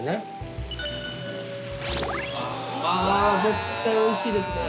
あ絶対おいしいですね！